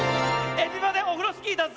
「エビバデオフロスキー」だぜ！